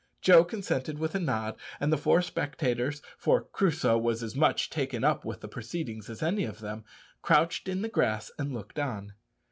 Joe consented with a nod, and the four spectators for Crusoe was as much taken up with the proceedings as any of them crouched in the grass, and looked on.